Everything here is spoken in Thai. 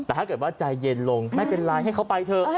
แต่ถ้าเกิดว่าใจเย็นลงไม่เป็นไรให้เขาไปเถอะ